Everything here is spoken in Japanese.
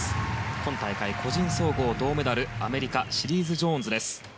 今大会、個人総合銅メダルアメリカシリーズ・ジョーンズ。